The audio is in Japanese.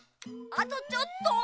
あとちょっと。